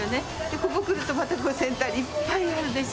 ここ来ると、またセンターにいっぱいあるでしょ。